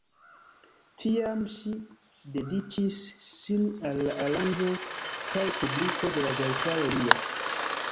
Tiam ŝi dediĉis sin al la aranĝo kaj publiko de la verkaro lia.